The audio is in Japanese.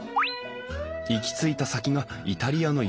行き着いた先がイタリアの有機農家。